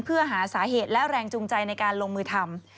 เพื่อหาสาเหตุและแรงจูงใจในการลงมือทำ